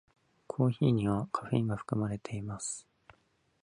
コーヒーにはカフェインが含まれています。